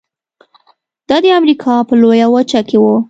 دا د امریکا په لویه وچه کې و.